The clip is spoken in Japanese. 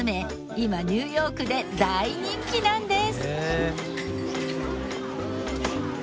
今ニューヨークで大人気なんです！